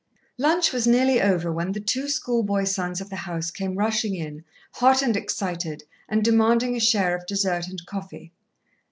Lunch was nearly over when the two schoolboy sons of the house came rushing in, hot and excited, and demanding a share of dessert and coffee.